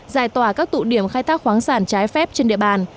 giải tỏa các tụ điểm khai thác khoáng sản trái phép trên địa bàn